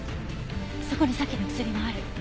そこにさっきの薬もある。